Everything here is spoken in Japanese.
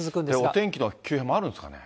お天気の急変もあるんですかね？